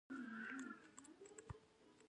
آیا دا د پښتنو تاریخ نه دی؟